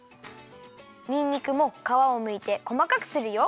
にんにくもかわをむいてこまかくするよ。